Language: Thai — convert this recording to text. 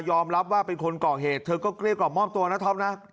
รับว่าเป็นคนก่อเหตุเธอก็เกลี้ยกล่อมมอบตัวนะท็อปนะ